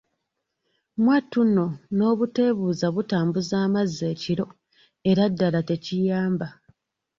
Mwattu nno n’obuteebuuza butambuza amazzi ekiro era ddala tekiyamba.